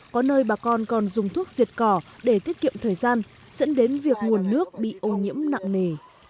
có nơi bà con còn dùng thuốc diệt cỏ để tiết kiệm thời gian dẫn đến việc nguồn nước bị ô nhiễm nặng nề